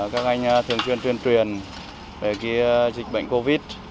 các anh thường xuyên tuyên truyền về dịch bệnh covid